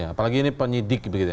apalagi ini penyidik